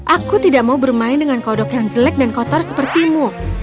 aku tidak mau bermain dengan kodok yang jelek dan kotor sepertimu